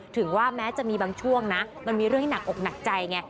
ถึงว่าแม้จะมีบางช่วงนะมันมีเรื่องให้หนักอกหนักใจไง